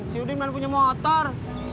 si udin malah punya motor